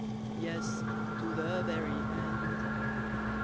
Yes, to the very end.